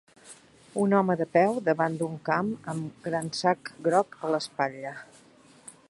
Un home de peu davant d'un camp amb un gran sac groc a l'espatlla.